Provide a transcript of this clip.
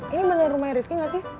ini bener rumahnya rifqi gak sih